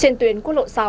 trên tuyến quốc lộ sáu